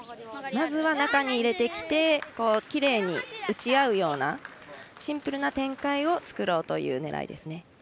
まずは中に入れてきてきれいに打ち合うようなシンプルな展開を作ろうという狙いです。